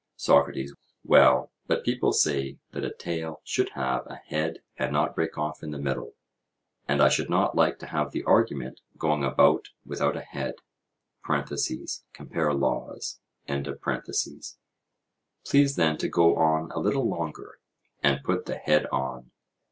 SOCRATES: Well, but people say that "a tale should have a head and not break off in the middle," and I should not like to have the argument going about without a head (compare Laws); please then to go on a little longer, and put the head on.